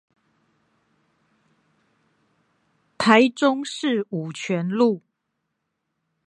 台中市五權路